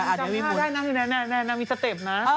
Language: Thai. นังจำท่าได้นะนังมีสเต็ปนะ